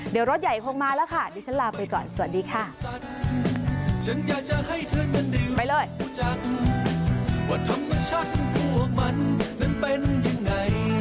เดี๋ยวรถใหญ่คงมาแล้วค่ะดิฉันลาไปก่อนสวัสดีค่ะ